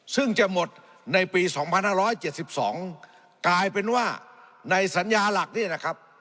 ซึ่งจะหมดในปีสองพันห้าร้อยเจ็ดสิบสองกลายเป็นว่าในสัญญาหลักนี้นะครับ